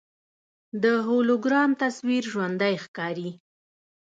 د هولوګرام تصویر ژوندی ښکاري.